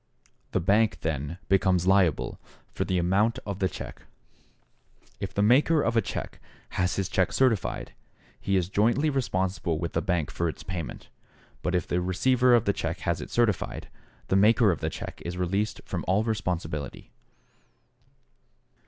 The bank, then, becomes liable for the amount of the check. If the maker of a check has his check certified, he is jointly responsible with the bank for its payment, but if the receiver of the check has it certified, the maker of the check is released from all responsibility.